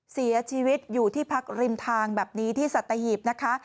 เสียชีวิตอยู่ที่พักริมทางแบบนี้ที่สัตหีบนะคะ